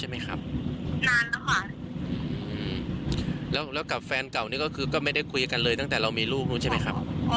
ไม่แล้วค่ะไม่ได้ติดต่อกันแล้วค่ะ